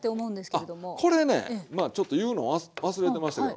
あっこれねまあちょっと言うの忘れてましたけど。